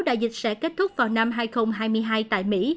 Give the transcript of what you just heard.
đại dịch sẽ kết thúc vào năm hai nghìn hai mươi hai tại mỹ